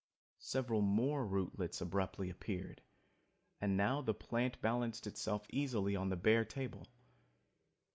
Several more rootlets abruptly appeared, and now the plant balanced itself easily on the bare table.